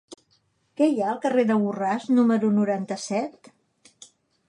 Què hi ha al carrer de Borràs número noranta-set?